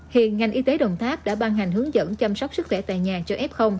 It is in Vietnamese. hiện ngành y tế đồng tháp đã ban hành hướng dẫn chăm sóc sức khỏe tại nhà cho f